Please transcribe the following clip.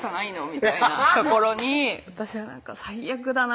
みたいなところに私は最悪だな